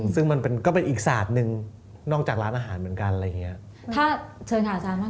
ซึ่งมันก็เป็นอีกศาสตร์หนึ่งนอกจากร้านอาหารเหมือนกันอะไรอย่างเงี้ย